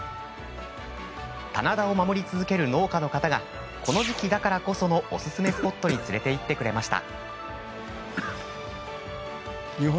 棚田を守り続ける農家の方がこの時期だからこそのおすすめスポットに連れていってくれました。